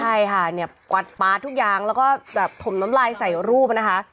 ใช่ค่ะเนี่ยกวัดปาดทุกอย่างแล้วก็แบบถมน้ำลายใส่รูปนะคะ